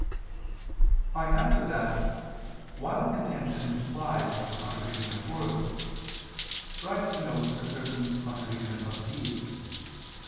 I answer that, While contention implies a contradiction of words, strife denotes a certain contradiction of deeds.